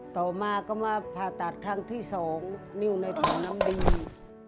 ต่อมาก็มาผ่าตัดครั้งที่๒นิ้วในปากน้ำดี